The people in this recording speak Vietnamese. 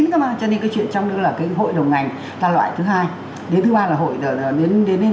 chứ mà cho nên cái chuyện trong đó là cái hội đồng ngành là loại thứ hai đến thứ ba là hội đến đến